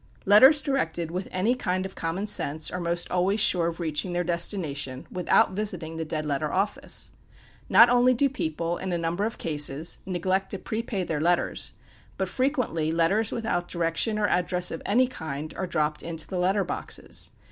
Letters directed with any kind of common sense are most always sure of reaching their destination without visiting the Dead Letter Office. Not only do people, in a number of cases, neglect to prepay their letters, but frequently, letters without direction or address of any kind are dropped into the letter boxes.